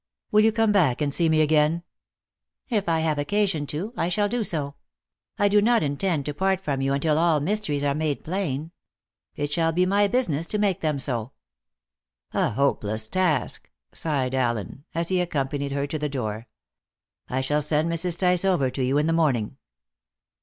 "Will you come back and see me again?" "If I have occasion to, I shall do so. I do not intend to part from you until all mysteries are made plain. It shall be my business to make them so." "A hopeless task," sighed Allen, as he accompanied her to the door. "I shall send Mrs. Tice over to you in the morning."